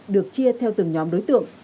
được chia theo từng nhóm đối tượng